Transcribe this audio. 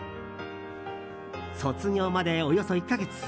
卒業まで、およそ１か月。